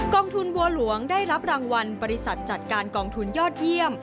องทุนบัวหลวงได้รับรางวัลบริษัทจัดการกองทุนยอดเยี่ยม